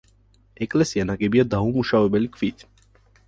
ეკლესია ნაგებია დაუმუშავებელი ქვით.